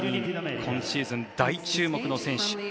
今シーズン、大注目の選手。